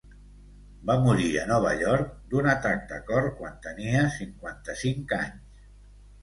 Va morir a Nova York, d'un atac de cor, quan tenia cinquanta-cinc anys.